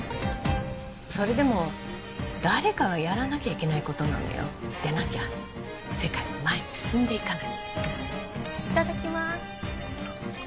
それでも誰かがやらなきゃいけないことなのよでなきゃ世界は前に進んでいかないいただきます